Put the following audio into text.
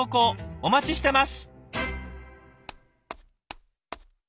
お待ちしてます。